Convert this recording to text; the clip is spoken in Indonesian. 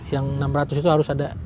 yang enam ratus itu harus ada